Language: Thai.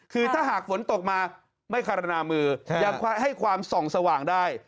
คือถ้าหากฝนตกมาไม่คารณามืออย่าให้ความส่องสว่างได้